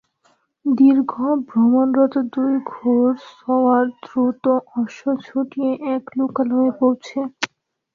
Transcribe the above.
দীর্ঘ ভ্রমণরত দুই ঘোড়-সওয়ার দ্রুত অশ্ব ছুটিয়ে এক লোকালয়ে পৌঁছে।